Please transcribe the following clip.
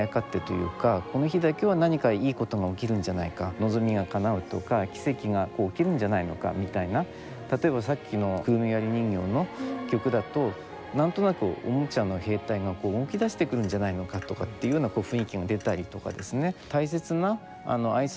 望みがかなうとか奇跡が起きるんじゃないのかみたいな例えばさっきの「くるみ割り人形」の曲だと何となくおもちゃの兵隊が動きだしてくるんじゃないのかとかっていうような雰囲気が出たりとかですね